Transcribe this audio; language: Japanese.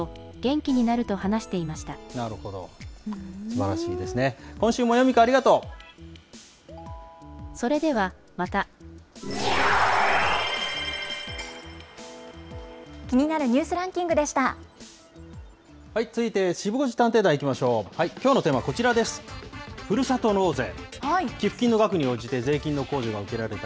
気になるニュースランキングでした。